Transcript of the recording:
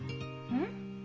うん？